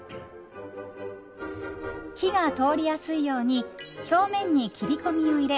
火が通りやすいように表面に切り込みを入れ